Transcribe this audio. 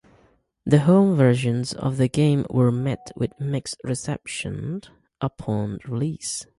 The home versions of the game were met with mixed reception upon release.